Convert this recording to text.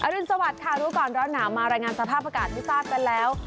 อรุณสวัสดิ์ค่ะทุกคนก่อนเราหนาวมารายงานสภาพอากาศวิทยาศาสตร์กันแล้ว